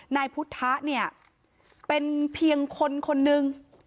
นายพุทธะเนี่ยเป็นเพียงคนคนนึง